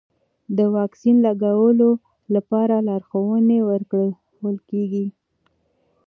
د واکسین لګولو لپاره لارښوونې ورکول کېږي.